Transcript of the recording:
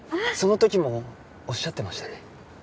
その時もおっしゃってましたね。